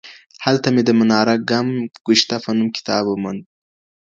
هلته مي د مناره ګم ګشته په نوم کتاب وموند.